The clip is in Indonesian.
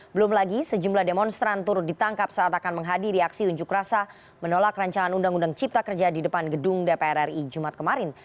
belum lagi sejumlah demonstran turut ditangkap saat akan menghadiri aksi unjuk rasa menolak rancangan undang undang cipta kerja di depan gedung dpr ri jumat kemarin